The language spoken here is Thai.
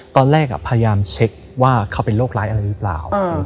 ตอนแรกพยายามเช็คว่าเขาเป็นโรคร้ายอะไรหรือเปล่า